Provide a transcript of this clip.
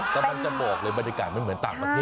ก็มันจะโบกเลยบริการไม่เหมือนต่างประเทศ